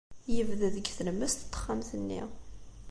Yebded deg tlemmast n texxamt-nni.